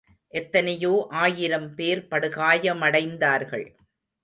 எத்தனையோ ஆயிரம் பேர் படுகாயமடைந்தார்கள்.